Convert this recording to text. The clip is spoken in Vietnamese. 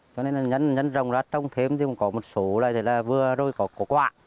cho nên nhấn rộng ra trong thêm có một số là vừa rồi có quả